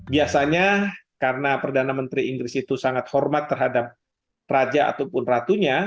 biasanya karena perdana menteri inggris itu sangat hormat terhadap raja ataupun ratunya